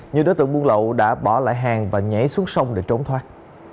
nhiều đối tượng buôn lậu đã bỏ lại hàng và nhảy xuống sông để trốn thoát